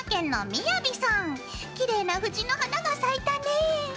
きれいな藤の花が咲いたね！